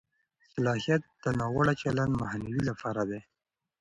صلاحیت د ناوړه چلند مخنیوي لپاره دی.